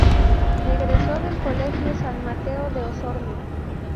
Egresó del Colegio San Mateo de Osorno.